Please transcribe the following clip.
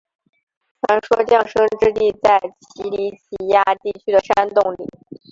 传说降生之地在奇里乞亚地区的山洞里。